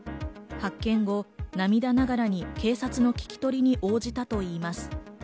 発見後、涙ながらに警察の聞き取りに応じたといいます。